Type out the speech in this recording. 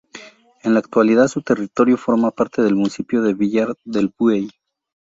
En la actualidad su territorio forma parte del municipio de Villar del Buey.